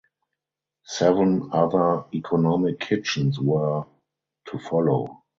Seven other Economic Kitchens were to follow.